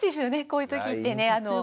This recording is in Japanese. こういう時ってね。